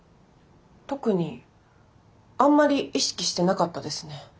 特にあんまり意識してなかったですね。